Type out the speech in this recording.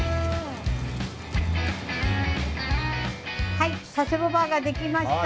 はい佐世保バーガー出来ました。